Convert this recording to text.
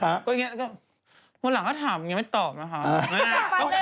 ก็อย่างเงี้ยวันหลังถ้าถามอย่างเงี้ยไม่ตอบนะฮะ